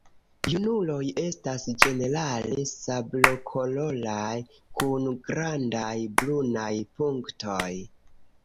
Junuloj estas ĝenerale sablokoloraj kun grandaj brunaj punktoj.